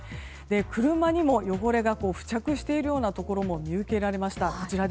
車にも汚れが付着しているようなところ見受けられました。